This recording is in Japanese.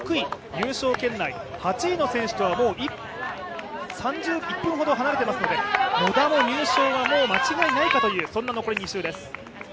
入賞圏内、８位の選手は１分ほど離れていますので野田も入賞は間違いないかというそんな残り２周です。